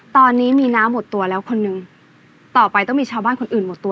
ตอนนี้มีน้าหมดตัวแล้วคนหนึ่งต่อไปต้องมีชาวบ้านคนอื่นหมดตัว